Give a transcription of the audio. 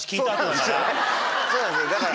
そうなんですよだから。